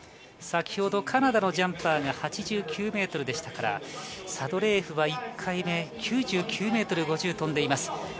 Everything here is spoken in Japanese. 先ほどカナダのジャンパーが８９ｍでしたからサドレーエフは１回目で９９ｍ５０飛んでいます。